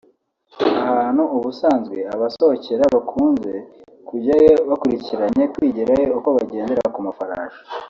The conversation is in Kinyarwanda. ahantu ubusanzwe abasohokera bakunze kujyayo bakurikiranye kwigirayo uko bagendera ku mafarashi